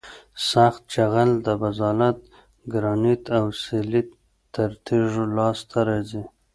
سخت جغل د بزالت ګرانیت او سلیت له تیږو لاسته راځي